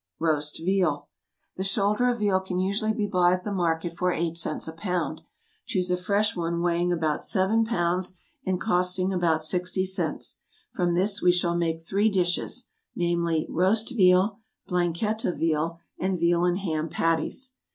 =Roast Veal.= The shoulder of veal can usually be bought at the market for eight cents a pound. Choose a fresh one weighing about seven pounds, and costing about sixty cents; from this we shall make three dishes, namely: ROAST VEAL, BLANQUETTE OF VEAL, and VEAL AND HAM PATTIES.